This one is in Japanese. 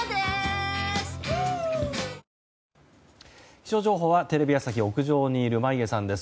気象情報はテレビ朝日屋上の眞家さんです。